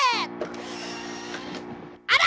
あら！